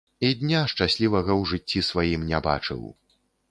І дня шчаслівага ў жыцці сваім не бачыў.